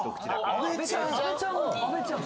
・阿部ちゃん